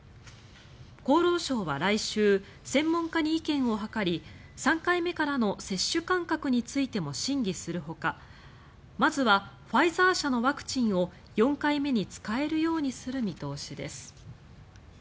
厚労省は来週専門家に意見を諮り３回目からの接種間隔についても審議するほかまずはファイザー社のワクチンを４回目に使えるようにする見通しです。